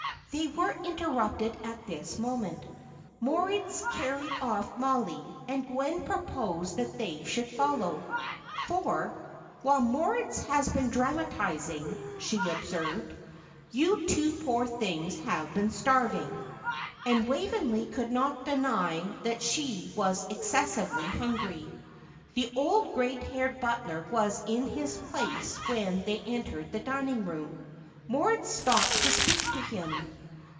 They were interrupted at this moment. Moritz carried off Mollie, and Gwen proposed that they should follow. "For, while Moritz has been dramatising," she observed, "you two poor things have been starving." And Waveney could not deny that she was excessively hungry. The old, grey haired butler was in his place when they entered the dining room. Moritz stopped to speak to him.